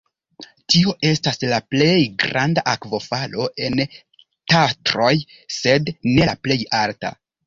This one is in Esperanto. Tio estas la plej granda akvofalo en Tatroj sed ne la plej alta.